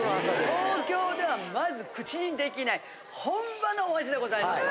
東京ではまず口にできない本場のお味でございます。